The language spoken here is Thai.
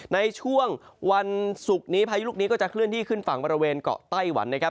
ในช่วงวันศุกร์นี้พายุลูกนี้ก็จะเคลื่อนที่ขึ้นฝั่งบริเวณเกาะไต้หวันนะครับ